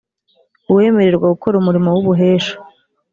uwemererwa gukora umurimo w ubuhesha